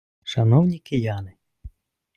Шановні кияни!